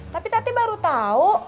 tapi tadi baru tau